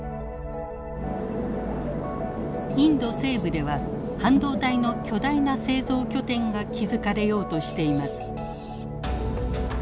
インド西部では半導体の巨大な製造拠点が築かれようとしています。